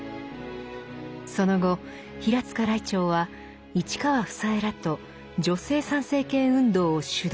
その後平塚らいてうは市川房枝らと女性参政権運動を主導。